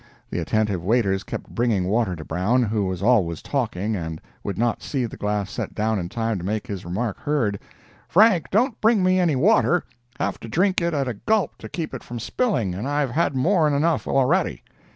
The attentive waiters kept bringing water to Brown, who was always talking, and would not see the glass set down in time to make his remark heard: "Frank, don't bring me any water; have to drink it at a gulp to keep it from spilling, and I've had more'n enough already."